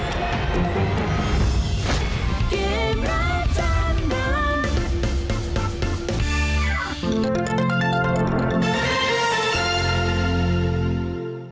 โปรดติดตามตอนต่อไป